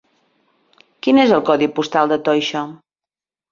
Quin és el codi postal de Toixa?